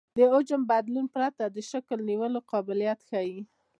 د حجم له بدلون پرته د شکل نیولو قابلیت ښیي